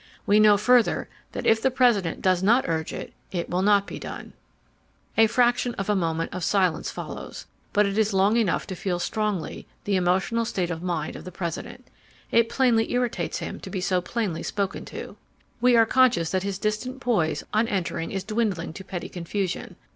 We know further that if the President does not urge it, it will not be done. .." A fraction of a moment of silence follows, but it is long enough to feel strongly the emotional state of mind of the President. It plainly irritates him to be so plainly spoken to. We are conscious that his distant poise on entering is dwindling to petty confusion.